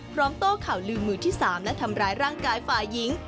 โต้ข่าวลืมมือที่๓และทำร้ายร่างกายฝ่ายหญิง